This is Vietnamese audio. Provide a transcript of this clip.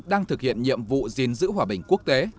đang thực hiện nhiệm vụ gìn giữ hòa bình quốc tế